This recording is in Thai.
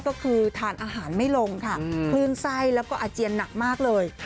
ก็คือทานอาหารไม่ลงค่ะคลื่นไส้แล้วก็อาเจียนหนักมากเลย